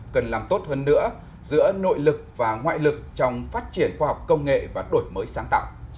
cần làm tốt hơn nữa giữa nội lực và ngoại lực trong phát triển khoa học công nghệ và đổi mới sáng tạo